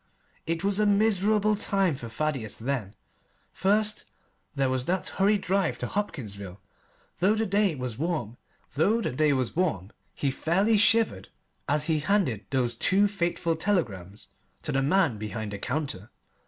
It was a miserable time for Thaddeus then. First there was that hurried drive to Hopkinsville. Though the day was warm he fairly shivered as he handed those two fateful telegrams to the man behind the counter.